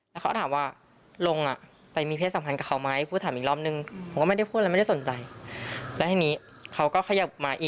เธอบอกว่าพี่ทำอะไรมีกล้องชอยที่กลับมา